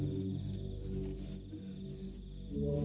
tidak ada yang bisa dihukum